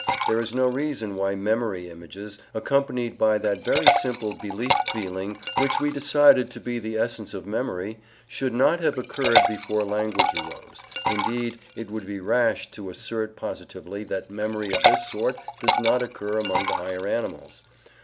There is no reason why memory images, accompanied by that very simple belief feeling which we decided to be the essence of memory, should not have occurred before language arose; indeed, it would be rash to assert positively that memory of this sort does not occur among the higher animals.